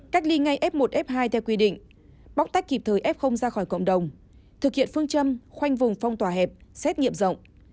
cách ly ngay f một f hai theo quy định bóc tách kịp thời f ra khỏi cộng đồng thực hiện phương châm khoanh vùng phong tỏa hẹp xét nghiệm rộng